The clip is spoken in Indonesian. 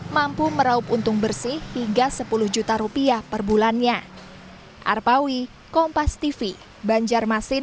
mampu meraup untung bersih hingga sepuluh juta rupiah per bulannya